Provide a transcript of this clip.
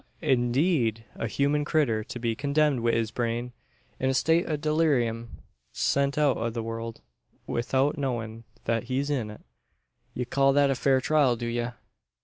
"I'deed. A human critter to be condemned wi' his brain in a state o' dulleerium! Sent out o' the world 'ithout knowin' that he's in it! Ye call that a fair trial, do ye?"